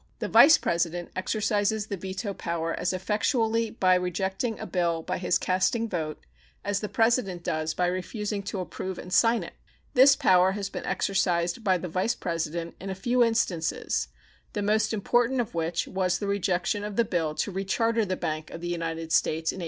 The Vice President exercises the veto power as effectually by rejecting a bill by his casting vote as the President does by refusing to approve and sign it. This power has been exercised by the Vice President in a few instances, the most important of which was the rejection of the bill to recharter the Bank of the United States in 1811.